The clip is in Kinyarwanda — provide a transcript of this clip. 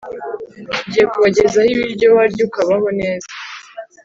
Tugiye kubagezaho ibiryo warya ukubaho neza